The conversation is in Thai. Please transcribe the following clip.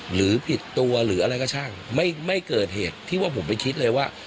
หรือผิดตัวหรืออะไรก็ช่างไม่ไม่เกิดเหตุที่ว่าผมไปคิดเลยว่า